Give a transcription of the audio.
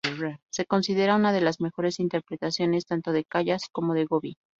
Se considera una de las mejores interpretaciones tanto de Callas como de Gobbi.